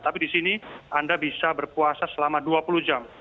tapi di sini anda bisa berpuasa selama dua puluh jam